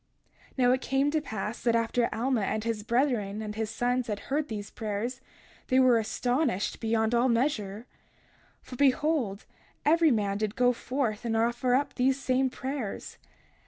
31:19 Now it came to pass that after Alma and his brethren and his sons had heard these prayers, they were astonished beyond all measure. 31:20 For behold, every man did go forth and offer up these same prayers.